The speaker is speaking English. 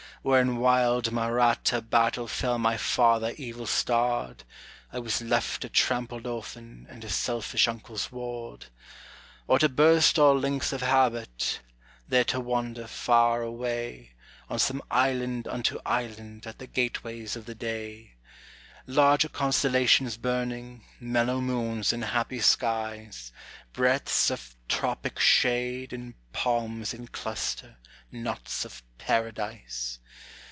Where in wild Mahratta battle fell my father, evil starred; I was left a trampled orphan, and a selfish uncle's ward. Or to burst all links of habit, there to wander far away, On from island unto island at the gateways of the day, Larger constellations burning, mellow moons and happy skies, Breadths of tropic shade and palms in cluster, knots of Paradise.